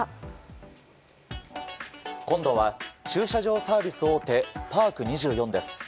今度は、駐車場サービス大手パーク２４です。